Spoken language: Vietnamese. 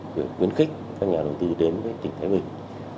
để quyến khích các nhà đầu tư đến với tỉnh thái bình